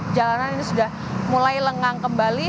jalanan ini sudah mulai lengang kembali